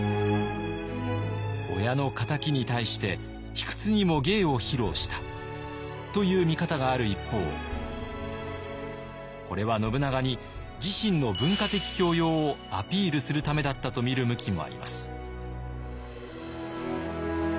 親の敵に対して卑屈にも芸を披露したという見方がある一方これは信長に自身の文化的教養をアピールするためだったとみる向きもあります。